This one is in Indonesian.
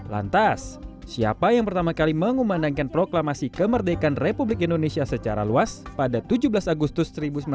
lantas siapa yang pertama kali mengumandangkan proklamasi kemerdekaan republik indonesia secara luas pada tujuh belas agustus seribu sembilan ratus empat puluh